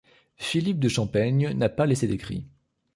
Philippe de Champaigne n'a pas laissé d'écrits.